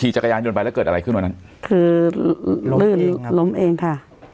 จักรยานยนต์ไปแล้วเกิดอะไรขึ้นวันนั้นคือล้มลื่นล้มเองค่ะ